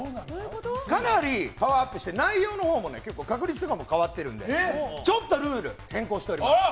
かなりパワーアップして内容も確率とかも変わっているのでちょっとルールを変更しております。